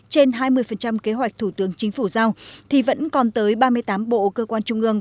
trên hai mươi kế hoạch thủ tướng chính phủ giao thì vẫn còn tới ba mươi tám bộ cơ quan trung ương